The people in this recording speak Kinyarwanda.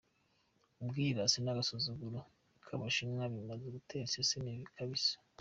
Ubwirasi n’agasuzuguro k’abashinwa bimaze gutera iseseme kabisa.